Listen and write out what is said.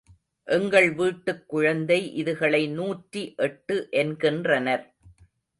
எங்கள் வீட்டுக் குழந்தை இதுகளை நூற்றி எட்டு என்கின்றனர்.